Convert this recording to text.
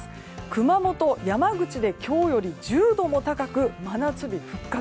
熊本、山口で今日より１０度も高く真夏日復活。